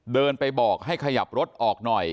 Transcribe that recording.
เดินไปบอกให้ขยับรถออกหน่อย